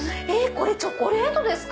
これチョコレートですか？